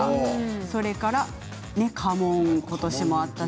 それから家紋、今年もあったし。